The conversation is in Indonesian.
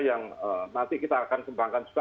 yang nanti kita akan kembangkan juga